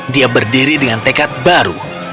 dia berdiri dengan tekad baru